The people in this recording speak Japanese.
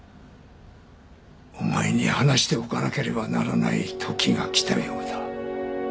お前に話しておかなければならないときが来たようだ。